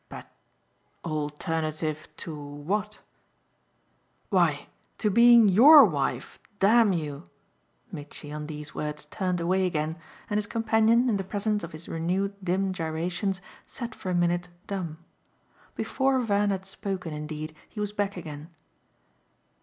"But alternative to what?" "Why to being YOUR wife, damn you!" Mitchy, on these words turned away again, and his companion, in the presence of his renewed dim gyrations, sat for a minute dumb. Before Van had spoken indeed he was back again.